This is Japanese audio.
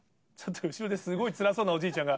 後ろですごいつらそうなおじいちゃんが。